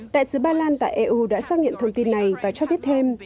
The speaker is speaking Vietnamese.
đại sứ ba lan tại eu đã xác nhận thông tin này và cho biết thêm